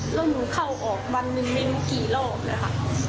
ลูกเข้าออกวันหนึ่งไม่มีกี่รอบถูก